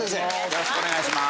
よろしくお願いします。